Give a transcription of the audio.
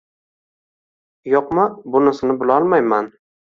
yo'qmi, bunisini bilolmayman.